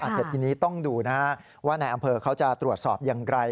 แต่ทีนี้ต้องดูนะฮะว่าในอำเภอเขาจะตรวจสอบอย่างไร